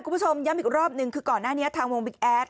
คุณผู้ชมย้ำอีกรอบหนึ่งคือก่อนหน้านี้ทางวงบิ๊กแอด